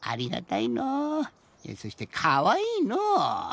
いやそしてかわいいの。